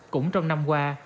cũng trong năm qua